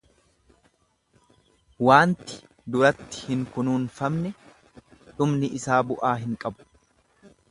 Waanti duratti hin kunuunfamne dhumni isaa bu'aa hin qabu.